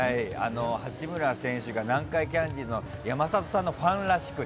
八村選手が南海キャンディーズの山里さんのファンらしくて。